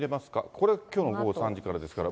これ、きょうの午後３時からですから。